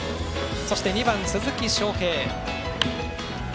そして、２番、鈴木将平。